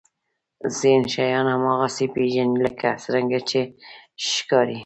ذهن شیان هماغسې پېژني لکه څرنګه چې ښکاري.